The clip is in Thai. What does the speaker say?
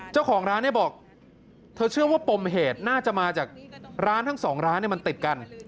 เจ้าของร้านเนี่ยบอกเธอเชื่อว่าปมเหตุน่าจะมาจากร้านทั้งสองร้านมันติดกัน